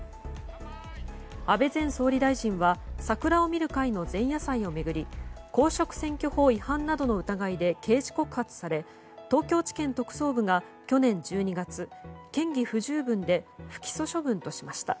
安倍前総理大臣は桜を見る会の前夜祭を巡り公職選挙法違反などの疑いで刑事告発され東京地検特捜部が去年１２月嫌疑不十分で不起訴処分としました。